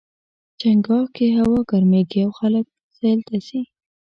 چنګاښ کې هوا ګرميږي او خلک سیل ته ځي.